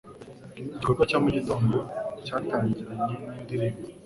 Igikorwa cya mugitondo cyatangiranye nindirimbo.